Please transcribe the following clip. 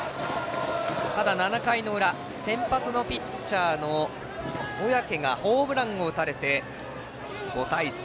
ただ、７回の裏先発のピッチャーの小宅がホームランを打たれて５対３。